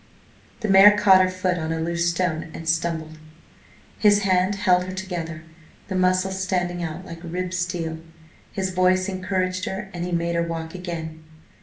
The mare caught her foot on a loose stone and stumbled. His hand held her together, the muscles standing out like ribbed steel, his voice encouraged her, and he made her walk again.